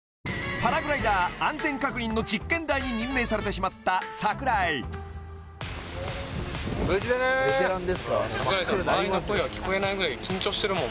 パラグライダー安全確認の実験台に任命されてしまった櫻井してるもん